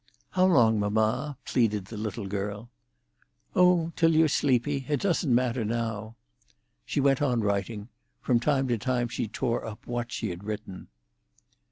"How long, mamma?" pleaded the little girl. "Oh, till you're sleepy. It doesn't matter now." She went on writing; from time to time she tore up what she had written.